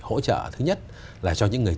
hỗ trợ thứ nhất là cho những người